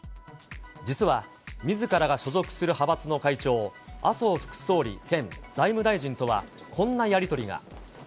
実はみずからが所属する派閥の会長、麻生副総理兼財務大臣とは、こんなやり取りが。